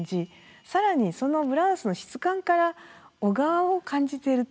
更にそのブラウスの質感から小川を感じているという。